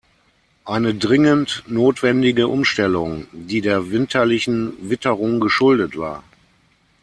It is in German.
Eine dringend notwendige Umstellung, die der winterlichen Witterung geschuldet war.